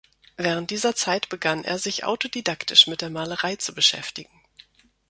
Während dieser Zeit begann er, sich autodidaktisch mit der Malerei zu beschäftigen.